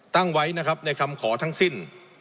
ตั้งไว้นะครับในคำขอทั้งสิ้น